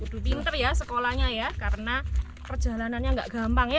aduh pinter ya sekolahnya ya karena perjalanannya nggak gampang ya